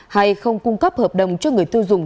hay không cung cấp hợp đồng cho người tiêu dùng